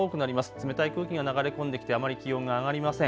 冷たい空気が流れ込んできてあまり気温が上がりません。